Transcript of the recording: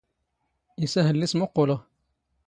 ⵉⵙ ⴰⵔ ⵀⵍⵍⵉ ⵙⵎⵓⵇⵇⵓⵍⵖ.